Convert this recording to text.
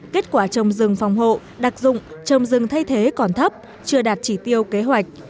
kết quả trồng rừng phòng hộ đặc dụng trồng rừng thay thế còn thấp chưa đạt chỉ tiêu kế hoạch